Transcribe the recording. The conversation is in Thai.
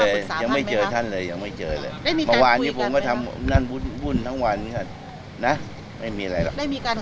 ผมยังไม่เจอท่านเลยยังไม่เจอเลยมะวานนี้ผมก็ทำบุญทั้งวันนะไม่มีอะไรหรอก